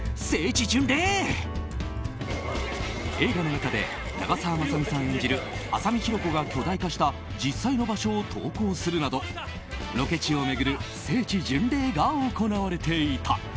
映画の中で長澤まさみさん演じる浅見弘子が巨大化した実際の場所を投稿するなどロケ地を巡る聖地巡礼が行われていた。